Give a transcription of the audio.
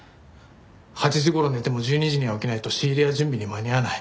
８時頃寝ても１２時には起きないと仕入れや準備に間に合わない。